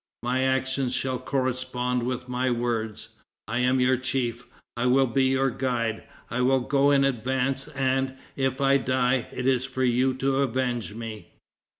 _' My actions shall correspond with my words. I am your chief. I will be your guide. I will go in advance, and, if I die, it is for you to avenge me."